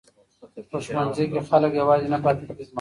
په ښوونځي کې خلک یوازې نه پاتې کیږي.